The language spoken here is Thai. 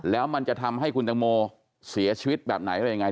แล้วมันจะทำให้คุณตังโมเสียชีวิตแบบไหนอะไรยังไง